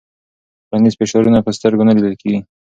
ټولنیز فشارونه په سترګو نه لیدل کېږي.